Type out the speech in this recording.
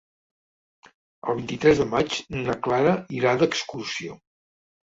El vint-i-tres de maig na Clara irà d'excursió.